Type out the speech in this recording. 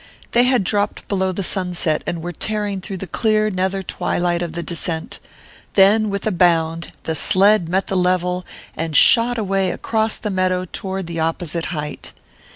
They had dropped below the sunset and were tearing through the clear nether twilight of the descent; then, with a bound, the sled met the level, and shot away across the meadow toward the opposite height.